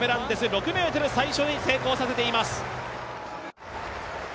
６ｍ最初に成功させています。